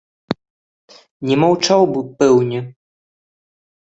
Не маўчаў бы, пэўне!